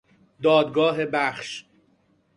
دادگاه بخش